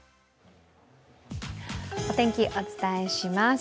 お天気、お伝えします。